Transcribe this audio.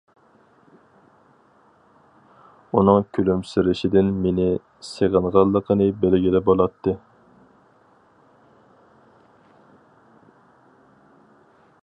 ئۇنىڭ كۈلۈمسىرىشىدىن مېنى سېغىنغانلىقىنى بىلگىلى بولاتتى.